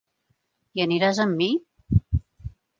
Hi aniràs amb mi?